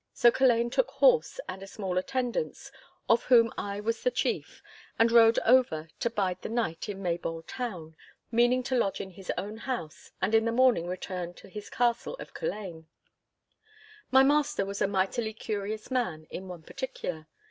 So Culzean took horse and a small attendance, of whom I was the chief, and rode over to bide the night in Maybole town, meaning to lodge in his own house, and in the morning return to his Castle of Culzean. My master was a mightily curious man in one particular.